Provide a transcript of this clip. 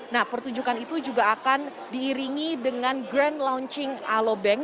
nah pertunjukan itu juga akan diiringi dengan grand launching alobank